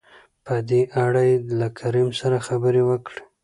په دې اړه يې له کريم سره خبرې وکړې.